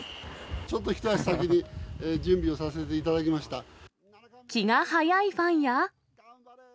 ちょっと一足先に準備をさせ気が早いファンや。